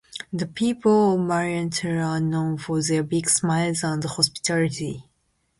The people of Mariental are known for their big smiles and hospitality.